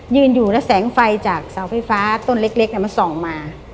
ยืนอยู่แล้วแสงไฟจากเสาไฟฟ้าต้นเล็กมันส่องมา